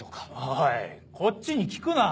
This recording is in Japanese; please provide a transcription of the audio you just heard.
おいこっちに聞くな。